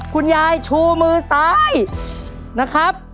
คุณยายชูมือซ้ายนะครับ